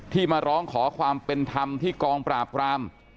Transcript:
มาร้องขอความเป็นธรรมที่กองปราบราม